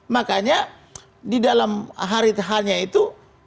makanya di dalam harithahnya itu